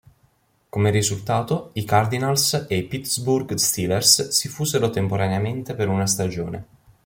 Come risultato, i Cardinals e i Pittsburgh Steelers si fusero temporaneamente per una stagione.